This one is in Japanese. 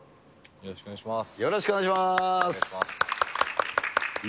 よろしくお願いします。